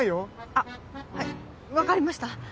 あはい分かりました。